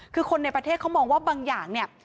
คือคนในประเทศเขามองว่าบางอย่างเนี่ย